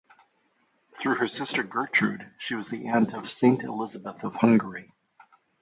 Through her sister Gertrude, she was the aunt of Saint Elizabeth of Hungary.